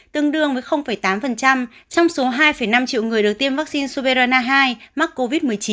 tương đương với tám trong số hai năm triệu người được tiêm vaccine suveralna hai mắc covid một mươi chín